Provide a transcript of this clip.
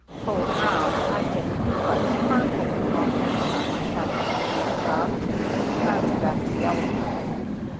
Told Brown I'd take a duplex car puller along next time I tackled that kind of a job, and I went back to the elevator."